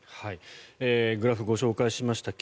グラフご紹介しました。